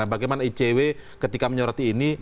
bagaimana icw ketika menyoroti ini